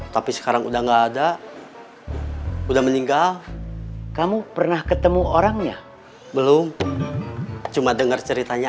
tapi sekarang udah nggak ada udah meninggal kamu pernah ketemu orangnya belum cuma dengar ceritanya